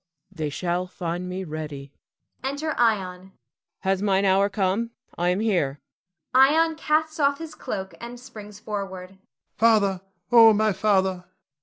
They shall find me ready. [Enter Ion.] Has mine hour come? I am here. [Ion casts off his cloak, and springs forward.] Ion. Father! O my father!